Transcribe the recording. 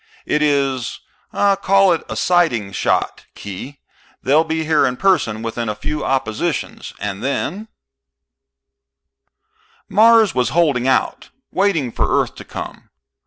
It is call it a sighting shot, Khee. They'll be here in person within a few oppositions. And then " Mars was holding out, waiting for Earth to come.